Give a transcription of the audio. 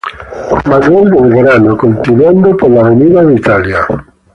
Manuel Belgrano, continuando por Italia, Av.